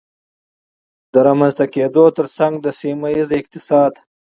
د رامنځته کېدو ترڅنګ د سيمهييز اقتصاد